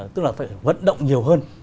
tức là phải vận động nhiều hơn